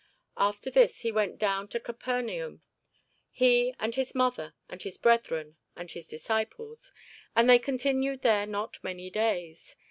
After this he went down to Capernaum, he, and his mother, and his brethren, and his disciples: and they continued there not many days.